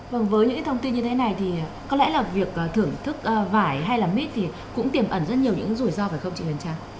vâng với những thông tin như thế này thì có lẽ là việc thưởng thức vải hay là mít thì cũng tiềm ẩn rất nhiều những rủi ro phải không chị huyền trang